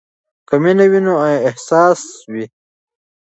که مینه وي نو اساس وي.